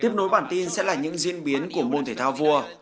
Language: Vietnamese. tiếp nối bản tin sẽ là những diễn biến của môn thể thao vua